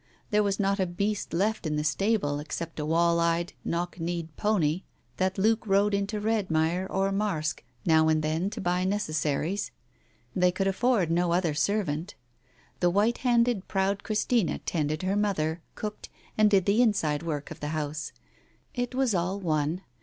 There was not a beast left in the stable, except a wall eyed, knock kneed pony that Luke rode into Redmire or Marske now and then to buy necessaries. They could afford v no other servant. The white handed proud Christina tended her mother, cooked, and did the inside work of theliouse. It was all one.